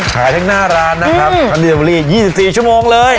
หาทั้งหน้าร้านนะครับอืมอันนี้จะบรียี่สิบสี่ชั่วโมงเลย